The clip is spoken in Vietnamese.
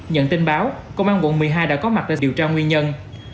nhận tin báo công an quận một mươi hai đã có mặt để điều tra nguyên nhân